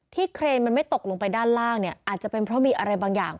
เครนมันไม่ตกลงไปด้านล่างเนี่ยอาจจะเป็นเพราะมีอะไรบางอย่าง